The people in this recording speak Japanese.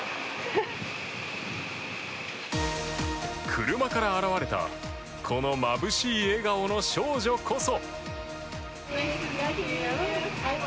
車から現れたこのまぶしい笑顔の少女こそ。